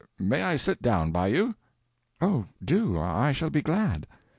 May I sit down by you?" "Oh, do; I shall be glad."